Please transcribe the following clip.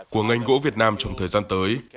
của ngành gỗ việt nam trong thời gian tới